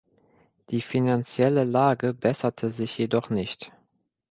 Die finanzielle Lage besserte sich jedoch nicht.